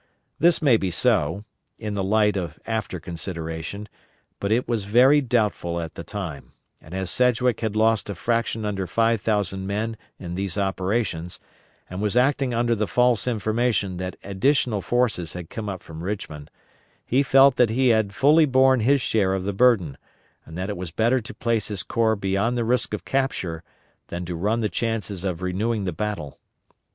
This may be so, in the light of after consideration, but it was very doubtful at the time, and as Sedgwick had lost a fraction under five thousand men in these operations, and was acting under the false information that additional forces had come up from Richmond, he felt that he had fully borne his share of the burden, and that it was better to place his corps beyond the risk of capture, than to run the chances of renewing the battle.